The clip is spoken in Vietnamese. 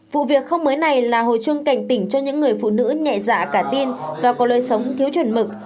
vụ việc không mới này là hồi chuông cảnh tỉnh cho những người phụ nữ nhẹ dạ cả tin và có lối sống thiếu chuẩn mực